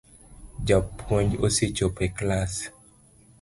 Japuonj osechopo e klass